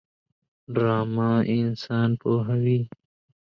ډرامه انسان پوهوي